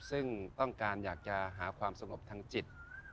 ซึ่งต้องการอยากจะหาความสงบทางจิต